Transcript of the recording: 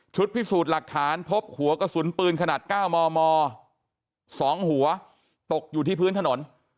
พิสูจน์หลักฐานพบหัวกระสุนปืนขนาด๙มม๒หัวตกอยู่ที่พื้นถนน